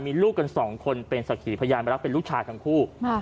มีลูกกันสองคนเป็นสักขีพยานรักเป็นลูกชายทั้งคู่